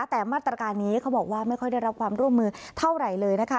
แต่มาตรการนี้เขาบอกว่าไม่ค่อยได้รับความร่วมมือเท่าไหร่เลยนะคะ